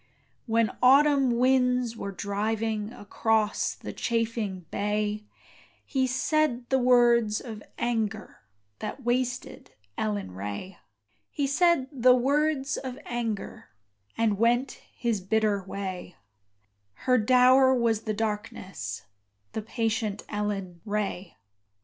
When autumn winds were driving Across the chafing bay, He said the words of anger That wasted Ellen Ray: He said the words of anger And went his bitter way: Her dower was the darkness The patient Ellen Ray.